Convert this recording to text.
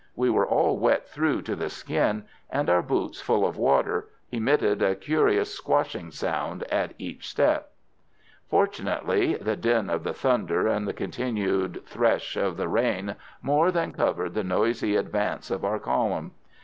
We were all wet through to the skin, and our boots, full of water, emitted a curious squashing noise at each step. Fortunately the din of the thunder and the continued thresh of the rain more than covered the noisy advance of our column.